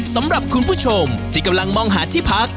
สำหรับคุณผู้ชมที่กำลังมองหาที่พัก